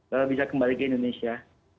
lalu bisa kembali ke indonesia